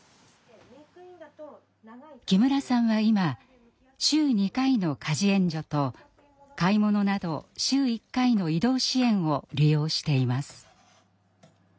木村さんは今週２回の家事援助と買い物など週１回の移動支援を利用しています。